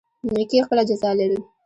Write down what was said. نیکي خپله جزا لري